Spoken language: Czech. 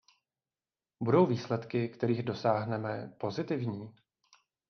Budou výsledky, kterých dosáhneme, pozitivní?